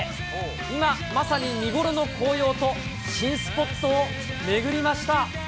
今、まさに見頃の紅葉と新スポットを巡りました。